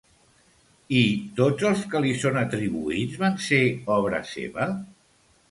I tots els que li són atribuïts van ser obra seva?